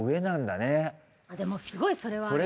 でもすごいそれは。